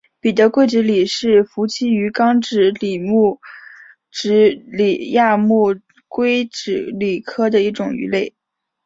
彼得桂脂鲤是辐鳍鱼纲脂鲤目脂鲤亚目鲑脂鲤科的一种鱼类。